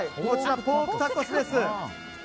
ポークタコスです。